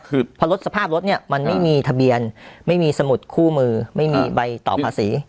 คือพอรถสภาพรถเนี่ยมันไม่มีทะเบียนไม่มีสมุดคู่มือไม่มีใบต่อภาษี